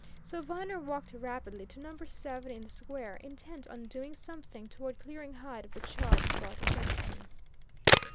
So Viner walked rapidly to number seven in the square, intent on doing something toward clearing Hyde of the charge brought against him.